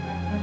ya pak adrian